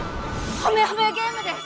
「ほめほめゲーム」です！